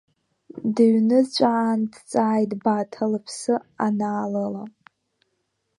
Дыҩныҵәаан, дҵааит Баҭа, лыԥсы анаалыла.